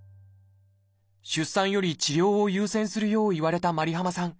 出産より治療を優先するよう言われたｍａｒｉｈａｍａさん。